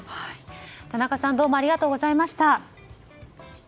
田中さんどうもありがとうございました。